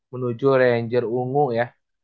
menuju ranger ungu ya